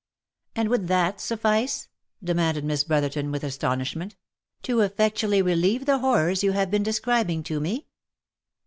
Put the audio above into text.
" And would that suffice," demanded Miss Brotherton with astonish ment, " to effectually relieve the horrors you have been describing to me?"